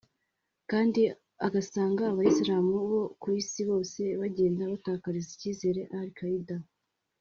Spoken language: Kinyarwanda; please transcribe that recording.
kandi agasanga Abayisilamu bo ku Isi bose bagenda batakariza ikizere Al Qaida